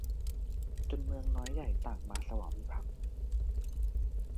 จนเมืองน้อยใหญ่ต่างมาสวามิภักดิ์